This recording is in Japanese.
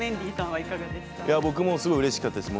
僕もすごくうれしかったです。